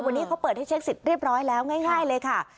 วันนี้เขาเปิดให้เช็คสิทธิ์เรียบร้อยแล้วง่ายเลยค่ะ